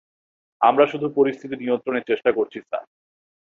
আমরা শুধু পরিস্থিতি নিয়ন্ত্রণের চেষ্টা করছি, স্যার।